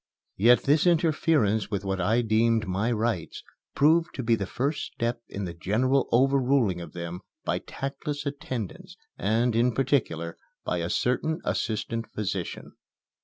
Yet this interference with what I deemed my rights proved to be the first step in the general overruling of them by tactless attendants and, in particular, by a certain assistant physician.